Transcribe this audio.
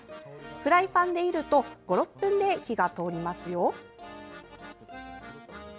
フライパンでいると５６分で火が通りますよ。